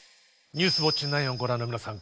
「ニュースウオッチ９」をご覧の皆さん